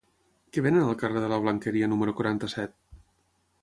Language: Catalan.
Què venen al carrer de la Blanqueria número quaranta-set?